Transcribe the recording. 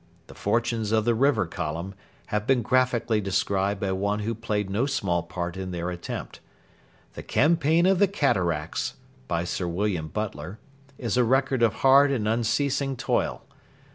The fortunes of the River Column have been graphically described by one who played no small part in their attempt. 'The Campaign of the Cataracts' [By Sir William Butler] is a record of hard and unceasing toil.